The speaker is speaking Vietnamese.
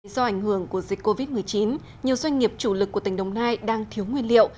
do ảnh hưởng của dịch covid một mươi chín nhiều doanh nghiệp chủ lực của tỉnh đồng nai đang thiếu nguyên liệu